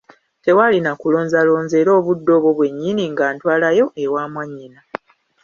Tewaali na kulonzalonza era obudde obwo bwennyini ng'antwalayo ewa mwannyina.